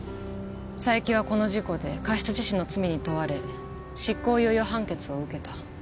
佐伯はこの事故で過失致死の罪に問われ執行猶予判決を受けた。